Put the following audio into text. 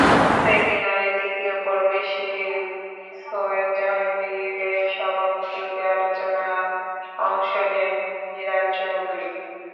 সেমিনারের দ্বিতীয় পর্বে শিল্পী সৈয়দ জাহাঙ্গীরের সভাপতিত্বে আলোচনায় অংশ নেন ধীরাজ চৌধুরী।